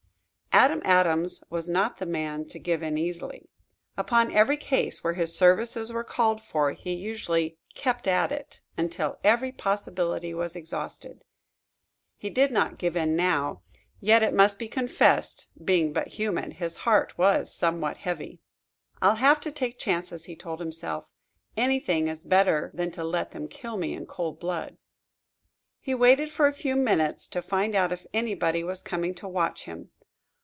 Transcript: Adam Adams was not the man to give in easily. Upon every case where his services were called for, he usually "kept at it" until every possibility was exhausted. He did not give in now, yet it must be confessed, being but human, his heart was somewhat heavy. "I'll have to take chances," he told himself. "Anything is better than to let them kill me in cold blood." He waited for a few minutes, to find out if anybody was coming to watch him.